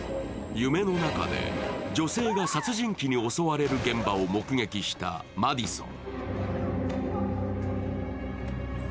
夢の中で女性が殺人鬼に襲われる現場を目撃したマディソン。